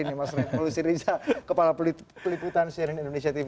ini mas revo siriza kepala peliputan seri indonesia tv